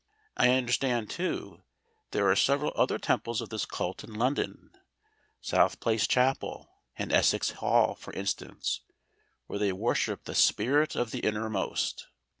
I understand, too, there are several other temples of this Cult in London South Place Chapel and Essex Hall, for instance, where they worship the Spirit of the Innermost.